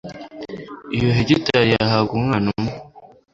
iyo hegitari yahabwa umwana umwe